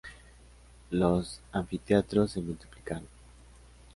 Los anfiteatros se multiplicaron.